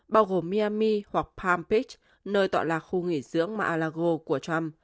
bao gồm miami hoặc palm beach nơi tọa lạc khu nghỉ dưỡng mar a lago của trump